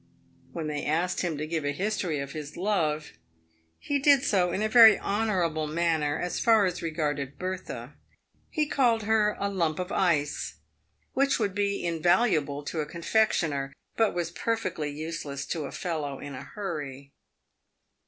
When they asked him to give a history of his love, he did so in a very honourable manner, as far as regarded Bertha. He called her a lump of ice, which would be invaluable to a confectioner, but was perfectly useless to a fellow in a hurry.